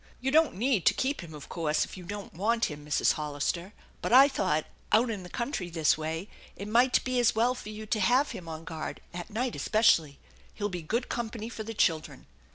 You don't need to keep him, of course, if you don't want him, Mrs. Hollister, but I thought out in the country this way it might be as well for you to have him on guard, at night especially. He'll be good company for the children.